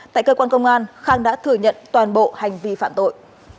tại cơ quan công an khang đã thừa nhận toàn bộ hành vi phạm tội